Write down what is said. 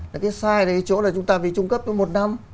cái sai là chúng ta vì trung cấp một năm